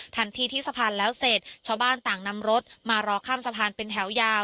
ทันทีที่สะพานแล้วเสร็จชาวบ้านต่างนำรถมารอข้ามสะพานเป็นแถวยาว